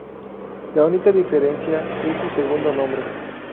La única diferencia es su segundo nombre.